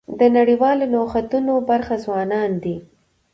د نړیوالو نوښتونو برخه ځوانان دي.